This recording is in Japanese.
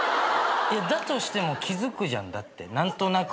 だとしても気付くじゃんだって何となくで。